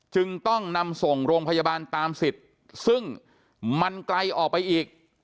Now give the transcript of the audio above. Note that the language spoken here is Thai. จึงต้องนำส่งโรงพยาบาลตามสิทธิ์ซึ่งมันไกลออกไปอีก